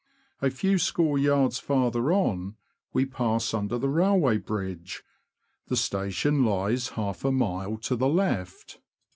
A few score yards farther on we pass under the railway bridge ; the station lies half a mile to the left.